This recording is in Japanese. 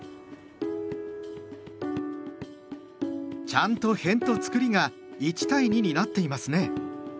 ちゃんとへんとつくりが１対２になっていますね。